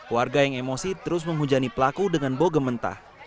warga yang emosi terus menghujani pelaku dengan bogem mentah